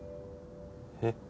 えっ？